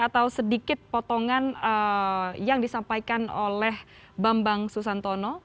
atau sedikit potongan yang disampaikan oleh bambang susantono